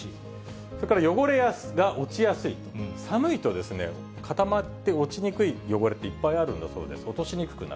それから汚れが落ちやすい、寒いと固まって落ちにくい汚れっていっぱいあるんだそうです。